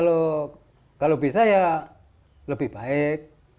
kalau bisa ya lebih baik